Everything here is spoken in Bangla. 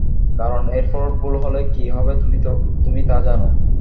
কারণ এরপর ভুল হলে কী হবে তুমি তা জানো।